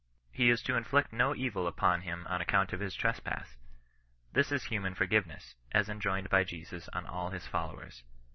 He is to inflict no evil upon him on account of his trespass. This is human forgiveness, as enjoined by Jesus on all his followers.